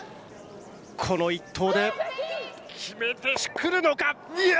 この１投で決めてくるのか。